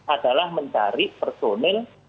adalah mencari personel